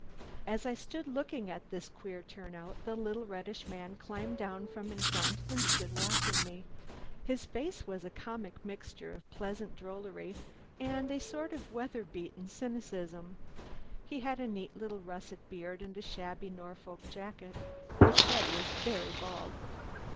As I stood looking at this queer turnout, the little reddish man climbed down from in front and stood watching me. His face was a comic mixture of pleasant drollery and a sort of weather beaten cynicism. He had a neat little russet beard and a shabby Norfolk jacket. His head was very bald.